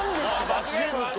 罰ゲームって。